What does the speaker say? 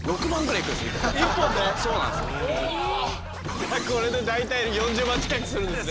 じゃあこれで大体４０万近くするんですね。